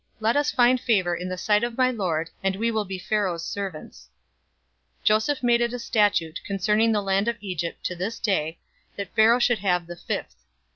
Let us find favor in the sight of my lord, and we will be Pharaoh's servants." 047:026 Joseph made it a statute concerning the land of Egypt to this day, that Pharaoh should have the fifth.